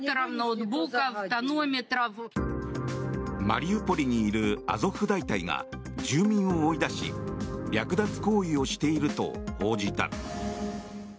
マリウポリにいるアゾフ大隊が住民を追い出し略奪行為をしていると報じた。